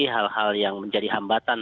hal hal yang menjadi hambatan